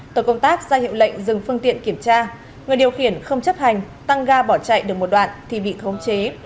tổ công tác ra hiệu lệnh dừng phương tiện kiểm tra người điều khiển không chấp hành tăng ga bỏ chạy được một đoạn thì bị khống chế